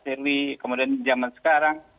firwi kemudian zaman sekarang